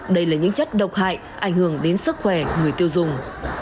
đây là những chất độc hại ảnh hưởng đến sức khỏe người tiêu dùng